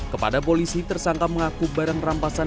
kepada polisi tersangka mengaku barang rampasan